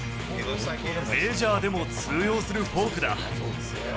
メジャーでも通用するフォークだ。